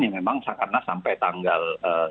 yang memang karena sampai tanggal